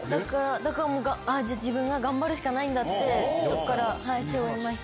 だから、じゃあ、自分が頑張るしかないんだって、そこから背負いました。